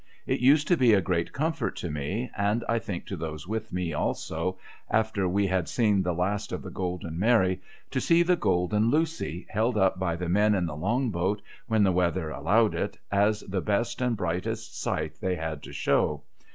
It used to be a great comfort to me, and I think to those with me also, after we had seen the last of the Golden Mary, to see the Golden Lucy, held up by the men in the Long boat, when the weather allowed it, as the best and brightest sight they had to show.